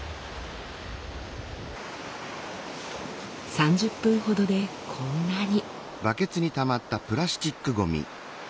３０分ほどでこんなに。